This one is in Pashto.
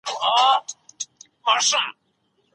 که ښځه مسلمانه سي خاوند يې هم بايد مسلمان سي.